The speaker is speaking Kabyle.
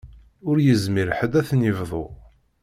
Ur yezmir ḥedd ad ten-yebḍu.